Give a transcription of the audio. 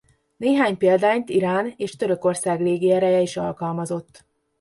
Néhány példányt Irán és Törökország légiereje is alkalmazott.